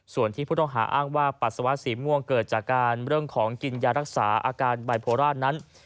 ส่วนที่ผู้ต้องหาอ้างว่าปัสสาวะสีม่วงเกิดจากการเรื่องของกินยารักษาอาการบายโพราชนั้น